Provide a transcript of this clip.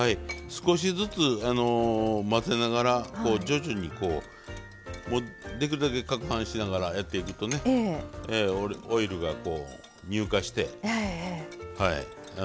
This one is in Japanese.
少しずつ混ぜながら徐々にできるだけかくはんしながらやっていくとねオイルが乳化してとろっとしますんでね。